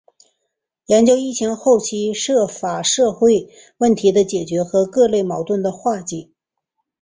研究疫情后期涉法社会问题的解决和各类矛盾的化解